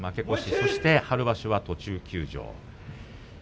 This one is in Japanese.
そして春場所、途中休場。